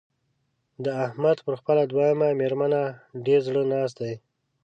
د احمد پر خپله دويمه مېرمنه ډېر زړه ناست دی.